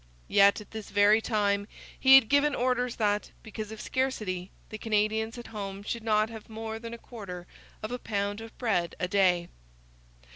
Yet, at this very time, he had given orders that, because of scarcity, the Canadians at home should not have more than a quarter of a pound of bread a day.